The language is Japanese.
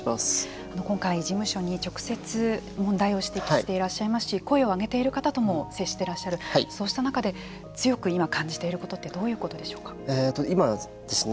今回、事務所に直接問題を指摘していらっしゃいますし声をあげている方とも接していらっしゃるそうした中で強く今感じていることって今ですね